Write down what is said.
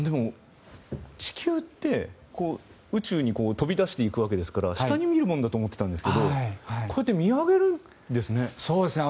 地球って、宇宙に飛び出していくわけですから下に見るものだと思ってたんですけどこうやって見上げるんですね。